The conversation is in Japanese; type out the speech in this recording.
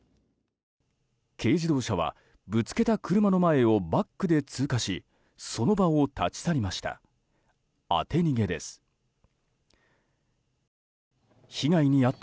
軽自動車はぶつけた車の前をバックで通過しその場を立ち去りました。